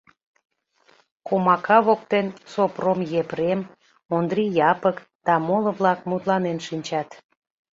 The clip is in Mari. Комака воктен Сопром Епрем, Ондри Япык да моло-влак мутланен шинчат.